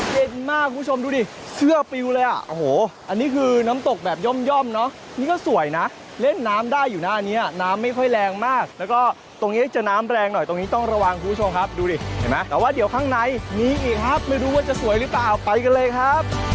เย็นมากคุณผู้ชมดูดิเสื้อปิวเลยอ่ะโอ้โหอันนี้คือน้ำตกแบบย่อมเนอะนี่ก็สวยนะเล่นน้ำได้อยู่หน้านี้น้ำไม่ค่อยแรงมากแล้วก็ตรงนี้จะน้ำแรงหน่อยตรงนี้ต้องระวังคุณผู้ชมครับดูดิเห็นไหมแต่ว่าเดี๋ยวข้างในมีอีกครับไม่รู้ว่าจะสวยหรือเปล่าไปกันเลยครับ